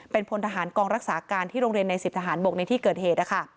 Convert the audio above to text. เป็นพลทหารกองรักษาการที่โรงเรียนใน๑๐ทหารบกในที่เกิดเหตุ